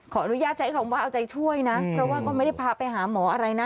อนุญาตใช้คำว่าเอาใจช่วยนะเพราะว่าก็ไม่ได้พาไปหาหมออะไรนะ